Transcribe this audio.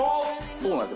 そうなんです。